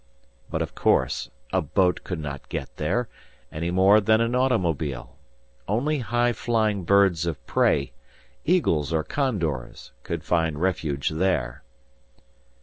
But, of course, a boat could not get there, any more than an automobile. Only high flying birds of prey, eagles or condors, could find refuge there.